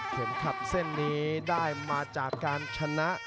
ขับเส้นนี้ได้มาจากการชนะ